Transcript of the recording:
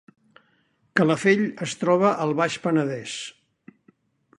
Calafell es troba al Baix Penedès